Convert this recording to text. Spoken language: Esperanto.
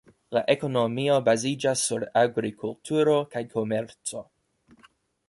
La ekonomio baziĝas sur agrikulturo kaj komerco.